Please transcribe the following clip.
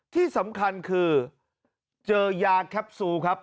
ที่สำคัญคือเจอยาแคปซูลครับ